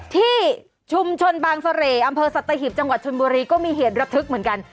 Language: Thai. ที่ชุมชนบางเสร่อำเภอสัตหิบจังหวัดชนบุรีก็มีเหตุระทึกเหมือนกัน